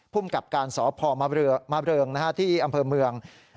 พุ่มกับการสอพมาเบลิงที่อำเภอเมือง